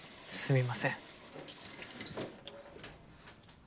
すみません。